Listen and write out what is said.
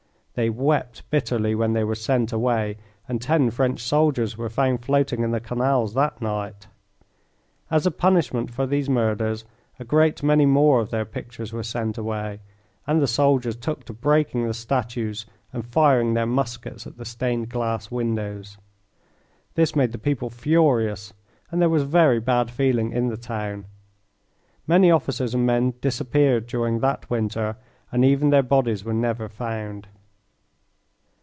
They wept bitterly when they were sent away, and ten French soldiers were found floating in the canals that night. As a punishment for these murders a great many more of their pictures were sent away, and the soldiers took to breaking the statues and firing their muskets at the stained glass windows. This made the people furious, and there was very bad feeling in the town. Many officers and men disappeared during that winter, and even their bodies were never found.